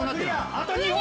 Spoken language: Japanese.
あと２本！